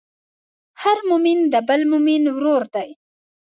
هر مؤمن د بل مؤمن ورور دی.